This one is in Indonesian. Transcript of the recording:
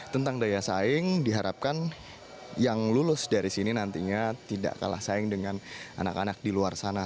tentang daya saing diharapkan yang lulus dari sini nantinya tidak kalah saing dengan anak anak di luar sana